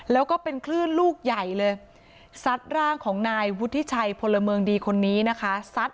แล้วก็เป็นคลื่นลูกใหญ่เลยซัดร่างของนายวุฒิชัยพลเมืองดีคนนี้นะคะซัด